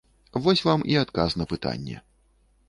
Вось вам і адказ на пытанне.